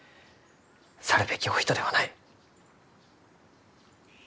去るべきお人ではない。